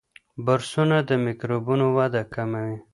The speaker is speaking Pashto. برسونه د میکروبونو وده کموي.